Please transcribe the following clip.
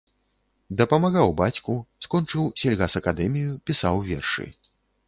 Дапамагаў бацьку, скончыў сельгасакадэмію, пісаў вершы.